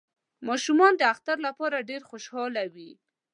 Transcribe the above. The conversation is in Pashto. ماشومان د اختر لپاره ډیر خوشحاله وی